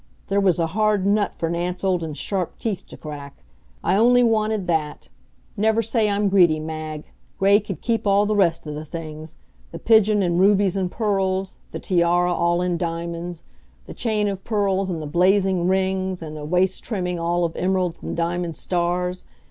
There was a hard nut for Nance Olden's sharp teeth to crack. I only wanted that never say I'm greedy, Mag Gray could keep all the rest of the things the pigeon in rubies and pearls, the tiara all in diamonds, the chain of pearls, and the blazing rings, and the waist trimming all of emeralds and diamond stars.